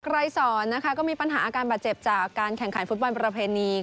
ไรสอนนะคะก็มีปัญหาอาการบาดเจ็บจากการแข่งขันฟุตบอลประเพณี